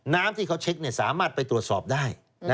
น้ำที่เขาเช็คสามารถไปตรวจสอบได้